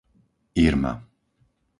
Irma